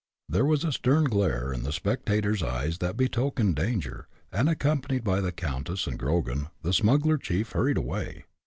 There was a stern glare in the speculator's eyes that betokened danger, and, accompanied by the countess and Grogan, the smuggler chief hurried away.